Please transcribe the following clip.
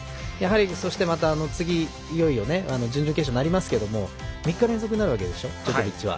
そして次いよいよ準々決勝になりますけど３日連続になるわけでしょジョコビッチは。